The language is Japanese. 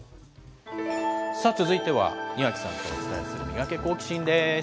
続いては庭木さんとお伝えするミガケ、好奇心！です。